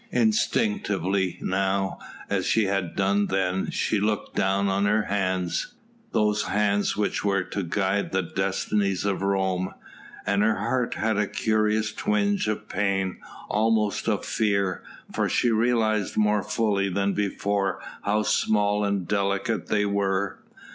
Instinctively now, as she had done then, she looked down on her hands those hands which were to guide the destinies of Rome and her heart had a curious twinge of pain, almost of fear, for she realised more fully than before how small and delicate they were.